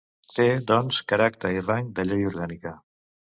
Té, doncs, caràcter i rang de llei orgànica.